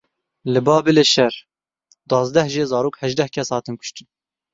Li Babilê şer duwazdeh jê zarok hejdeh kes hatin kuştin.